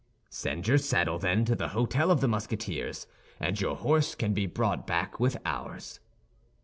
"Send your saddle, then, to the hôtel of the Musketeers, and your horse can be brought back with ours."